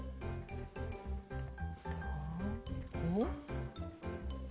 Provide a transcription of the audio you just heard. どう？